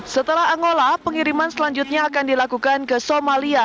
setelah angola pengiriman selanjutnya akan dilakukan ke somalia